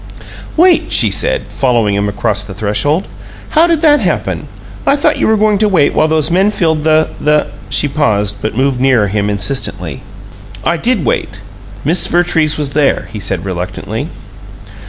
"Wait!" she said, following him across the threshold. "How did that happen? I thought you were going to wait while those men filled the the " She paused, but moved nearer him insistently. "I did wait. Miss Vertrees was there," he said, reluctantly.